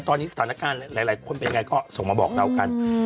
ตอนนี้สถานการณ์หลายคนเป็นไงก็ส่งมาบอกเรากัน